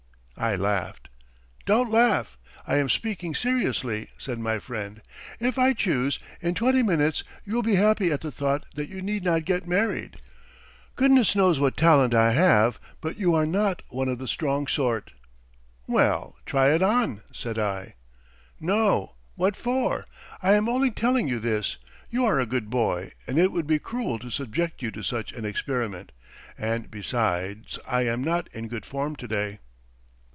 "I laughed. "'Don't laugh, I am speaking seriously,' said my friend. 'If I choose, in twenty minutes you will be happy at the thought that you need not get married. Goodness knows what talent I have, but you are not one of the strong sort.' "'Well, try it on!' said I. "'No, what for? I am only telling you this. You are a good boy and it would be cruel to subject you to such an experiment. And besides I am not in good form to day.'